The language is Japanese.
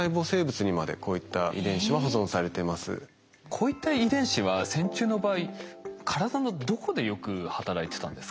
こういった遺伝子は線虫の場合体のどこでよく働いてたんですか？